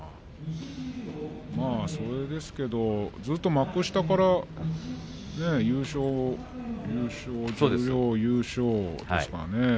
まあそれですけれどずっと幕下から、優勝十両優勝ですよね。